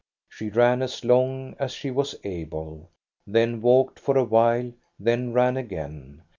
She ran as long as she wa» able, then walked for a while, then ran again.